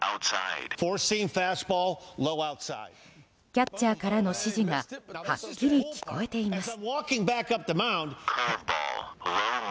キャッチャーからの指示がはっきり聞こえています。